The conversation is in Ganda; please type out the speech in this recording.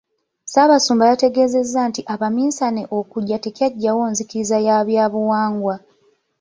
Ssaabasumba yategeezezza nti abaminsane okujja tekyaggyawo nzikiriza ya byabuwangwa.